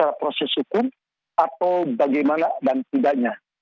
dalam proses hukum atau bagaimana dan tidaknya